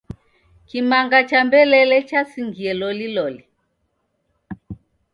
Kimanga cha mbelele chasingie loliloli.